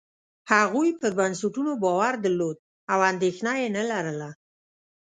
هغوی پر بنسټونو باور درلود او اندېښنه یې نه لرله.